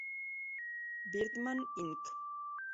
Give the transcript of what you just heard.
BirdMan Inc.